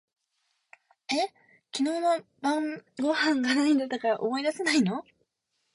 え、昨日の晩御飯が何だったか思い出せないの？